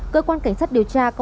cơ quan cảnh sát điều tra công an